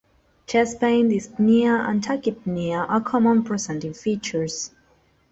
Chest pain, dyspnea, and tachypnea are common presenting features.